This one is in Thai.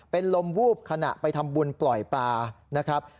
เป็นลมวูบขณะไปทำบุญปล่อยปลานะครับ